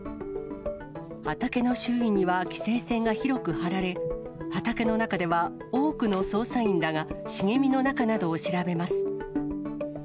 畑の周囲には規制線が広く張られ、畑の中では多くの捜査員らが茂みの中などを調べます。